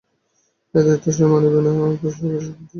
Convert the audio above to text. এ দায়িত্ব সে মানিবে না, এত কিসের নীতিজ্ঞান?